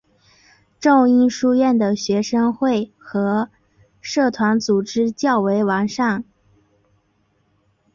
仲英书院的学生会和社团组织较为完善。